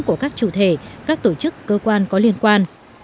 của các chủ thể các tổ chức cơ quan có liên quan